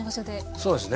そうですね。